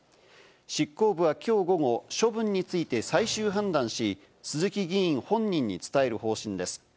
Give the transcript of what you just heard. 執行部はきょう午後、処分について最終判断し、鈴木議員本人に伝える方針です。